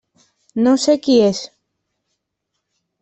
No sé qui és.